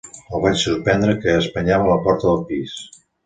El vaig sorprendre que espanyava la porta del pis.